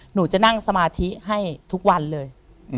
หนูจะนั่งสมาธิให้ทุกวันเลย